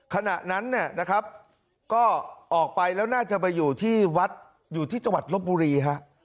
ขณะนั้นเนี่ยนะครับก็ออกไปแล้วน่าจะไปอยู่ที่วัดอยู่ที่จังหวัดลบบุรีฮะ